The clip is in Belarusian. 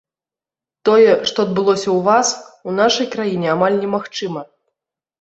Тое, што адбылося ў вас, у нашай краіне амаль немагчыма.